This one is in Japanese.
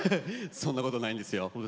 そんなことないんですよ。